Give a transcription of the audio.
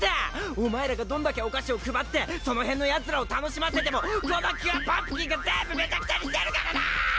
お前らがどんだけお菓子を配ってその辺のヤツらを楽しませてもこのキュアパンプキンが全部めちゃくちゃにしてやるからな！